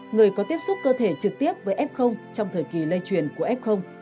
người có tiếp xúc cơ thể trực tiếp với f trong thời kỳ lây truyền của f